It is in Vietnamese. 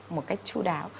một cách chú đáo